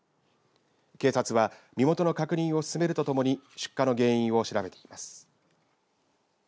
警察は身元の確認を進めるとともに出火の原因を調べています。